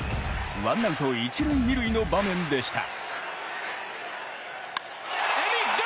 ワンアウト１塁２塁の場面でした。